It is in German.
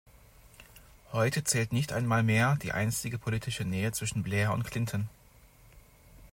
Heute zählt nicht einmal mehr die einstige politische Nähe zwischen Blair und Clinton.